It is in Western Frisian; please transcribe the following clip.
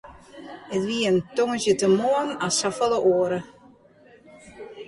It wie in tongersdeitemoarn as safolle oare.